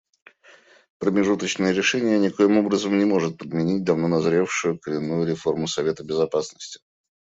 Промежуточное решение никоим образом не может подменить давно назревшую коренную реформу Совета Безопасности.